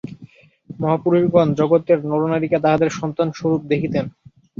মহাপুরুষগণ জগতের নরনারীকে তাঁহাদের সন্তান-স্বরূপ দেখিতেন।